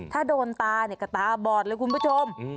ถ้าโดนตาเนี่ยก็ตาบอดเลยคุณผู้ชม